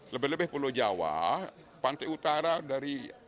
lebih lebih pulau jawa pantai utara dari